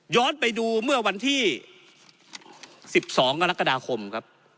ย้อนไปดูเมื่อวันที่สิบสองกรกฎาคมครับ